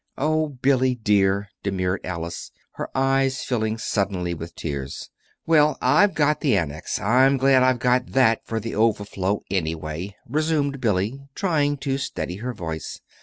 "Oh, Billy, dear," demurred Alice, her eyes filling suddenly with tears. "Well, I've got the Annex. I'm glad I've got that for the overflow, anyway," resumed Billy, trying to steady her voice.